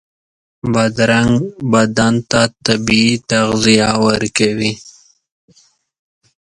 بادرنګ بدن ته طبعي تغذیه ورکوي.